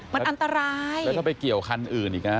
มันอันตรายแล้วถ้าไปเกี่ยวคันอื่นอีกนะ